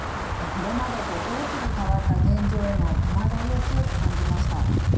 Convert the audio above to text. これまでと大きく変わった現状への戸惑いを強く感じました。